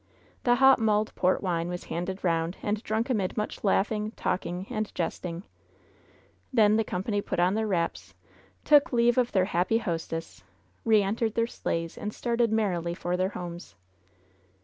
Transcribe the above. The hot mulled port wine was handed round and drunk amid much laughing, talking and jesting. Then the company put on their wraps, took leave of 10 LOVE'S BITTEREST CUP their happy hostess, re entered their sleighs and started merrily for their homes.